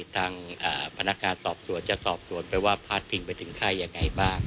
ทางพนักงานสอบสวนจะสอบสวนไปว่าพาดพิงไปถึงใครยังไงบ้าง